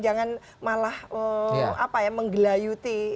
jangan malah menggelayuti